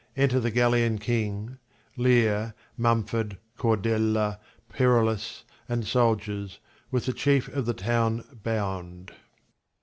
Enter the Gallian king, Leir, Muraford, Cordelia, Perillus, and soldiers, 'with the chief of the town bound.